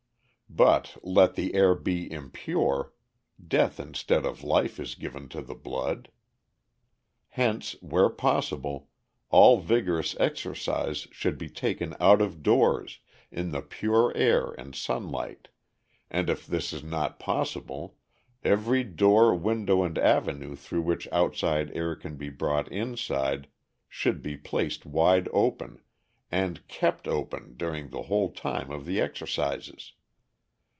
But let the air be impure, death instead of life is given to the blood. Hence, where possible, all vigorous exercise should be taken out of doors in the pure air and sunlight, and if this is not possible, every door, window, and avenue through which outside air can be brought inside should be placed wide open, and kept open during the whole time of the exercises.